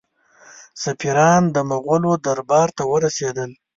سفیران د مغولو دربار ته ورسېدل.